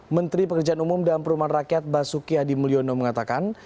menteri pekerjaan umum dan perumahan rakyat basuki hadimulyono mengatakan